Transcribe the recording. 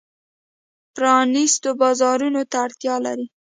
پرانیستو بازارونو ته اړتیا لري.